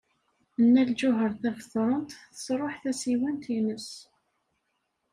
Nna Lǧuheṛ Tabetṛunt tesṛuḥ tasiwant-nnes.